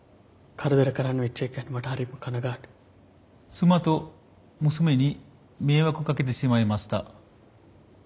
妻と娘に迷惑かけてしまいました。